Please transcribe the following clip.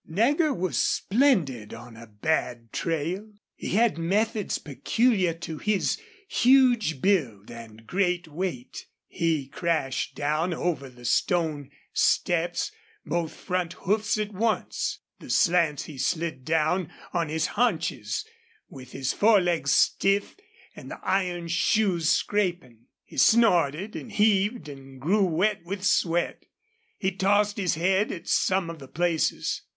Nagger was splendid on a bad trail. He had methods peculiar to his huge build and great weight. He crashed down over the stone steps, both front hoofs at once. The slants he slid down on his haunches with his forelegs stiff and the iron shoes scraping. He snorted and heaved and grew wet with sweat. He tossed his head at some of the places.